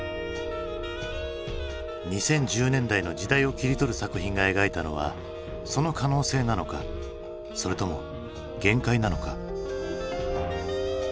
２０１０年代の時代を切り取る作品が描いたのはその可能性なのかそれとも限界なのか。